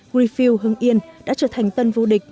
griffill hưng yên đã trở thành tân vô địch